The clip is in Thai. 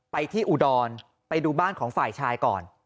ไปที่อุดรไปดูบ้านของฝ่ายชายก่อน